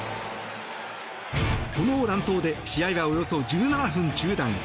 この乱闘で試合はおよそ１７分中断。